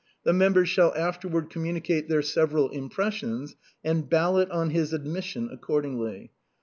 The members shall after ward communicate their several impressions, and ballot on his admission accordingly.